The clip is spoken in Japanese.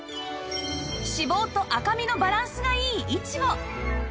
脂肪と赤身のバランスがいいイチボ